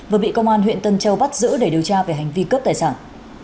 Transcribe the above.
vừa bị công an huyện tân châu bắt giữ để điều tra về hành vi cướp tài sản